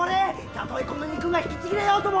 たとえこの肉が引きちぎれようとも！